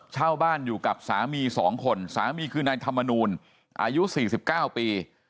เช่าบ้านอยู่กับสามี๒คนสามีคือนายธรรมนูลอายุ๔๙ปี